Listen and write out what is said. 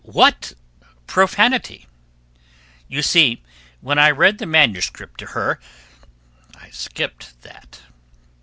What profanity? You see, when I read the manuscript to her I skipped that."